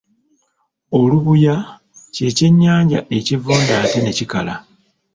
Olubuuya kye ky’ennyanja ekivunda ate ne kikala.